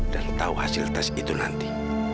dan tahu hasil tes itu nanti